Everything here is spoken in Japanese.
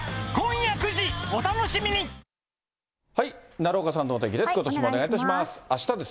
奈良岡さんのお天気です。